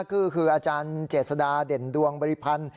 ก็คืออาจารย์เจษฎาเด่นดวงบริพันธ์